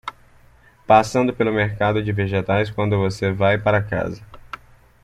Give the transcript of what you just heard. Passando pelo mercado de vegetais quando você vai para casa